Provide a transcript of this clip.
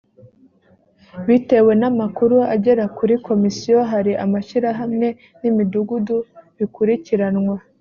bitewe n amakuru agera kuri komisiyo hari amashyirahamwe n imidugudu bikurikiranwa